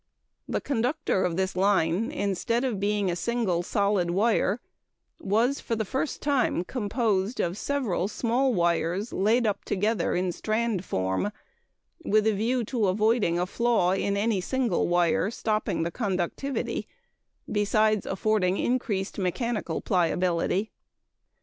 The conductor of this line instead of being a single solid wire was, for the first time, composed of several small wires laid up together in strand form with a view to avoiding a flaw in any single wire stopping the conductivity, besides affording increased mechanical pliability.